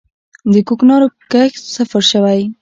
د کوکنارو کښت صفر شوی؟